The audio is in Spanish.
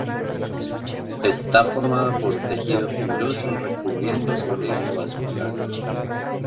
Está formado por tejido fibroso recubriendo un eje vascular.